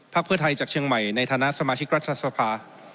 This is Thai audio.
เพื่อไทยจากเชียงใหม่ในฐานะสมาชิกรัฐสภา